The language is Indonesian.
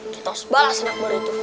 kita balas anak murid itu